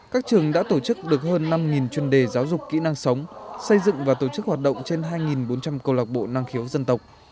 các trường đã tổ chức được hơn năm chuyên đề giáo dục kỹ năng sống xây dựng và tổ chức hoạt động trên hai bốn trăm linh câu lạc bộ năng khiếu dân tộc